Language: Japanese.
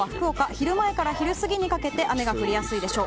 昼前から昼過ぎにかけて雨が降りやすいでしょう。